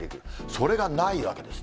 それがないわけです。